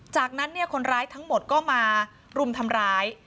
จากนั้นคนร้ายทั้งหมดก็มารุมทำร้าย